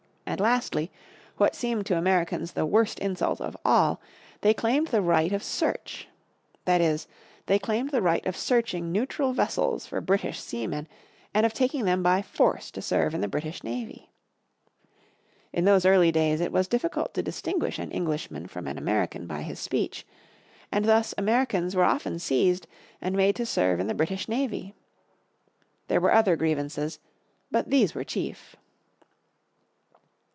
And lastly, what seemed to Americans the worst insult of all, they claimed the right of search. That is, they claimed the right of searching neutral vessels for British seamen and of taking them by force to serve in the British navy. In those early days it was difficult to distinguish an Englishmen from an American by his speech, and thus Americans were often seized and made to serve in the British navy. There were other grievances, but these were chief.